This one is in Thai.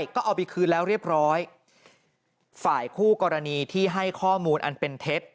ก็เอาไปคืนแล้วเรียบร้อยฝ่ายคู่กรณีที่ให้ข้อมูลอันเป็นเท็จ